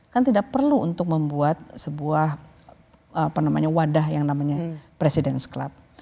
kan tidak perlu untuk membuat sebuah apa namanya wadah yang namanya president s club